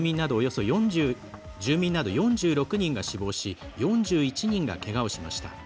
住民など４６人が死亡し４１人が、けがをしました。